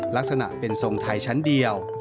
ลักษณะเป็นทรงไทยชั้นเดียว